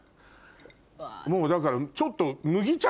もうだからちょっと。